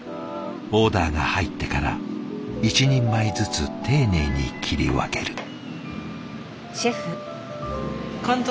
オーダーが入ってから１人前ずつ丁寧に切り分ける。